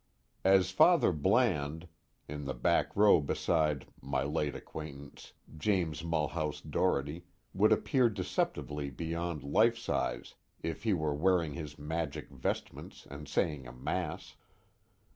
As Father Bland, in the back row beside (my late acquaintance) James Mulhouse Doherty, would appear deceptively beyond life size if he were wearing his magic vestments and saying a Mass.